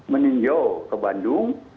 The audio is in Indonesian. meninjau ke bandung